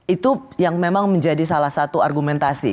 itu yang memang menjadi salah satu argumentasi